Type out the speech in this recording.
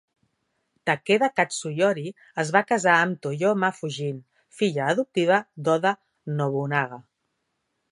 Takeda Katsuyori es va casar amb Toyoma Fujin, filla adoptiva d'Oda Nobunaga.